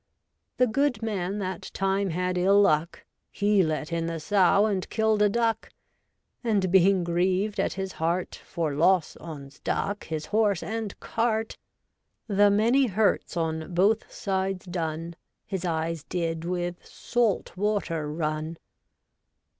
The goodman that time had ill luck ; He let in the sow and killed a duck. And, being grieved at his heart, DOMESTIC STRIFE, 129 For loss on 's duck, his horse and cart, The many hurts on both sides done, His eyes did with salt water run.